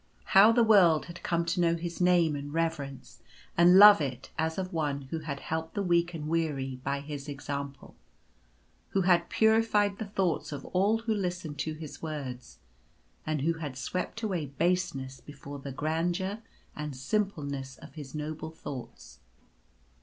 How the world had come to know his name and reverence and love it as of one who had helped the weak and weary by his example ; who had purified the thoughts of all who listened to his words; and who had swept away baseness before the grandeur and simpleness of his noble thoughts.